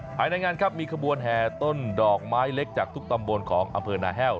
ภายในงานครับมีขบวนแห่ต้นดอกไม้เล็กจากทุกตำบลของอำเภอนาแห้ว